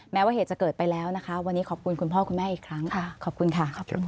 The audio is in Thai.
แม้ว่าเหตุจะเกิดไปแล้วนะคะวันนี้ขอบคุณคุณพ่อคุณแม่อีกครั้งขอบคุณค่ะ